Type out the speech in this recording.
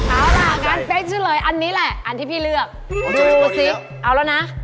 เอาล่ะงั้นเป๊กเฉลยอันนี้แหละอันที่พี่เลือกดูสิเอาแล้วนะ